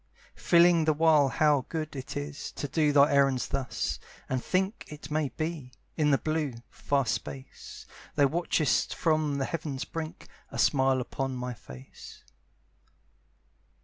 Feeling the while how good it is To do thy errands thus, and think It may be, in the blue, far space, Thou watchest from the heaven's brink, A smile upon my face.